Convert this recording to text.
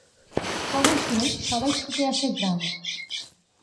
খবর শুনে সবাই ছুটে আসে গ্রামে।